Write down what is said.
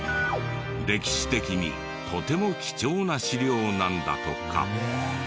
歴史的にとても貴重な資料なんだとか。